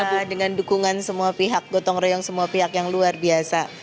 apa dengan dukungan semua pihak gotong royong semua pihak yang luar biasa